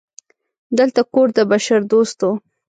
دلته کور د بشردوستو